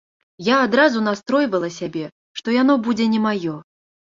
Я адразу настройвала сябе, што яно будзе не маё.